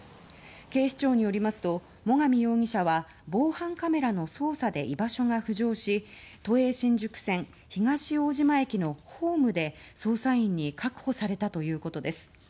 警視庁によりますと最上容疑者は防犯カメラの捜査で居場所が浮上し都営新宿線東大島駅のホームで捜査員に確保されたということです。